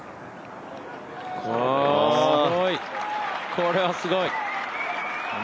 これはすごい！